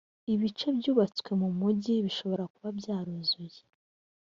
ibice byubatswemo mu mujyi bishobora kuba byaruzuye